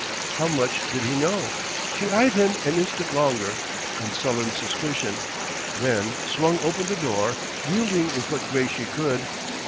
How much did he know? She eyed him an instant longer, in sullen suspicion, then swung open the door, yielding with what grace she could.